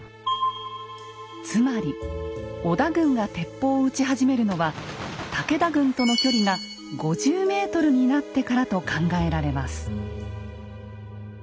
つまり織田軍が鉄砲を撃ち始めるのは武田軍との距離が５０ｍになってからと考えられます。